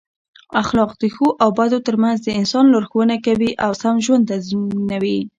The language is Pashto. اخلاق د ښو او بدو ترمنځ د انسان لارښوونه کوي او سم ژوند تضمینوي.